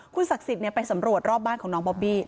ศักดิ์สิทธิ์ไปสำรวจรอบบ้านของน้องบอบบี้